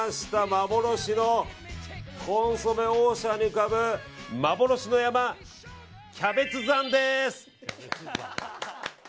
幻のコンソメオーシャンに浮かぶ幻の山、キャベツ山です。